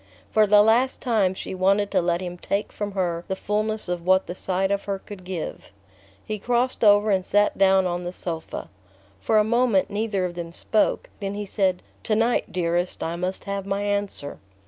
For the last time she wanted to let him take from her the fulness of what the sight of her could give. He crossed over and sat down on the sofa. For a moment neither of them spoke; then he said: "To night, dearest, I must have my answer."